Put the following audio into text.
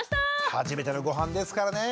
初めてのごはんですからねえ。